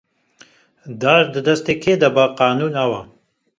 Dar di destê kê de be, qanûn ew e.